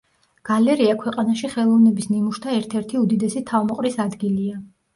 გალერეა ქვეყანაში ხელოვნების ნიმუშთა ერთ-ერთი უდიდესი თავმოყრის ადგილია.